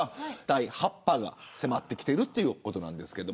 第８波が迫ってきているということです。